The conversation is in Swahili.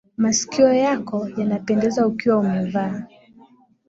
Masikio yako yanapendeza ukiwa umevaa.